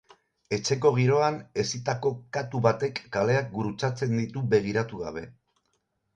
Etxeko giroan hezitako katu batek kaleak gurutzatzen ditu begiratu gabe.